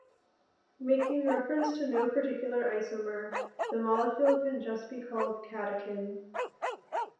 Making reference to no particular isomer, the molecule can just be called catechin.